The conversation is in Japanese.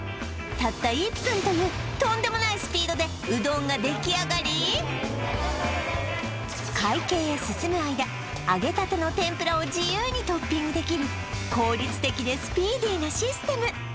たった１分というとんでもないスピードでうどんが出来上がり会計へ進む間揚げたての天ぷらを自由にトッピングできる効率的でスピーディーなシステム